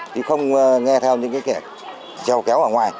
thì không nghe theo những cái kẻ trèo kéo ở ngoài